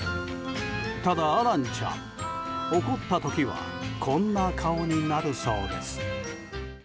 ただアランちゃん、怒った時はこんな顔になるそうです。